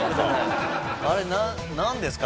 あれなんですか？